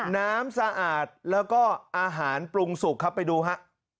น้ำสะอาดแล้วก็อาหารปรุงสุกครับไปดูฮะ